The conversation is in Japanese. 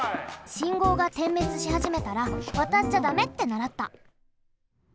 信号が点滅しはじめたらわたっちゃだめってならった。